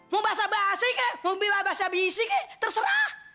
mau basa basi ke mau basa basi ke terserah